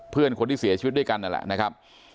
เพื่อนคนที่เสียชีวิตด้วยกันนั่นแหละนะครับ